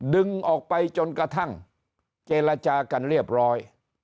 ดึงออกไปจนกระทั่งเจรจากันเรียบร้อย